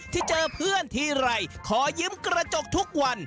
ที่เจอเพื่อนทีไรขอยิ้มกระจกทุกวัน